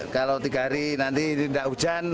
kalau tiga hari nanti tidak hujan